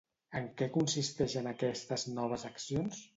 En què consisteixen aquestes noves accions?